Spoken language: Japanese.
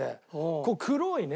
こう黒いね。